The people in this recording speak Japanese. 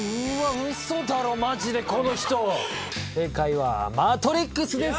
ウソだろマジでこの人正解は「マトリックス」です